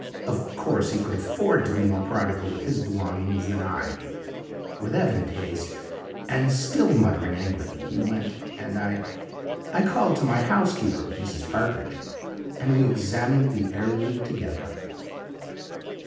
Of course, he could afford to be more prodigal with his belongings than I. With evident haste, and still muttering angrily, he went and I I called to my housekeeper (Mrs. Partridge), and we examined the heirloom together.